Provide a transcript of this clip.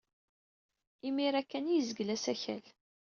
Imir-a kan ay yezgel asakal.